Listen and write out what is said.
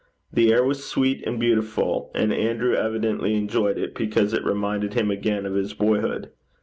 The air was sweet and healthful, and Andrew evidently enjoyed it because it reminded him again of his boyhood.